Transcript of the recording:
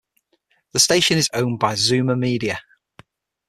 The station is owned by ZoomerMedia.